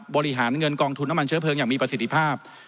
บริหารเงินกองทุนน้ำมันเชื้อเพลิงอย่างมีประสิทธิภาพ